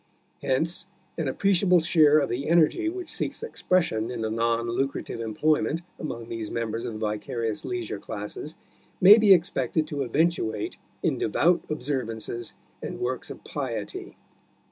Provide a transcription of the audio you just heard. Hence an appreciable share of the energy which seeks expression in a non lucrative employment among these members of the vicarious leisure classes may be expected to eventuate in devout observances and works of piety.